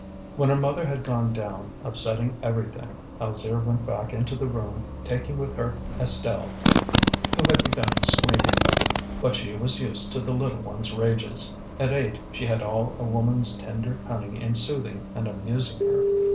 When her mother had gone down, upsetting everything, Alzire went back into the room taking with her Estelle, who had begun screaming. But she was used to the little one's rages; at eight she had all a woman's tender cunning in soothing and amusing her.